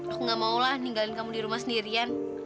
loh gak maulah ninggalin kamu di rumah sendirian